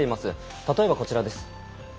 例えば、こちらです。